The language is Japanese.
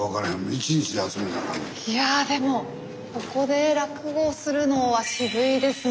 いやでもここで落語をするのは渋いですね。